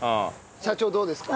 社長どうですか？